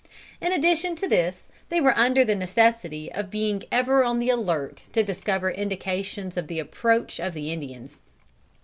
In addition to this they were under the necessity of being ever on the alert to discover indications of the approach of the Indians.